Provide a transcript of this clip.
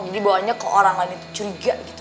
jadi bohongnya ke orang lain itu curiga gitu